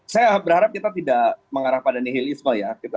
saya berharap kita tidak mengarah pada nehilisme ya